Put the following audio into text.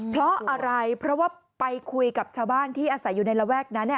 เพราะอะไรเพราะว่าไปคุยกับชาวบ้านที่อาศัยอยู่ในระแวกนั้น